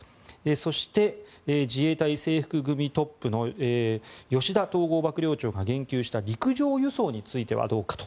そして、自衛隊制服組トップの吉田統合幕僚長が言及した陸上輸送についてはどうかと。